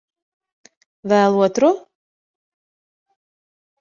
Vēl otru?